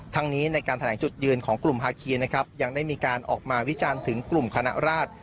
นี้ในการแถลงจุดยืนของกลุ่มภาคีนะครับยังได้มีการออกมาวิจารณ์ถึงกลุ่มคณะราช